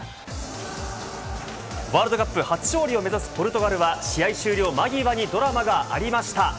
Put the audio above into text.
ワールドカップ初勝利を目指すポルトガルは試合終了間際にドラマがありました。